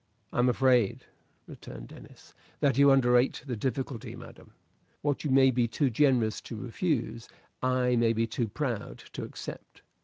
"I am afraid," returned Denis, "that you underrate the difficulty, madam. What you may be too generous to refuse, I may be too proud to accept.